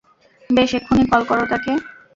বেশ এক্ষুনি কল করো তাকে।